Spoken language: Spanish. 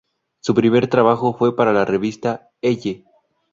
Su primer trabajo fue para la revista Elle.